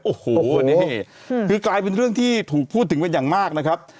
โอ้โหนี่คือกลายเป็นเรื่องที่ถูกพูดถึงเป็นอย่างมากนะครับ